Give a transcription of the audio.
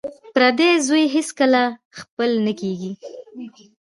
پردی زوی هېڅکله خپل نه کیږي